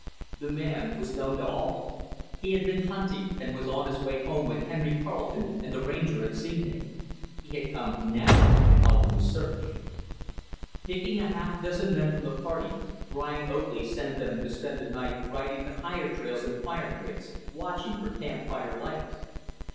The man was known to all. He had been hunting, and was on his way home when Henry Carleton and the Ranger had seen him. He had come, now, to help in the search. Picking a half dozen men from the party, Brian Oakley sent them to spend the night riding the higher trails and fire breaks, watching for camp fire lights.